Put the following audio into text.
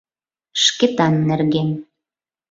Шкетан нерген.